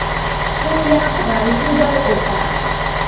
ผู้ยากไร้ ผู้ด้อยโอกาส